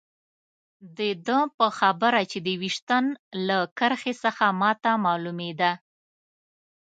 د ده په خبره چې د ویشتن له کرښې څخه ما ته معلومېده.